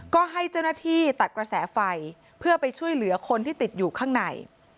ก็ให้เจ้าหน้าที่ตัดกระแสไฟเพื่อไปช่วยเหลือคนที่ติดอยู่ข้างใน